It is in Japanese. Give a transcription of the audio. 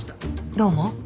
どう思う？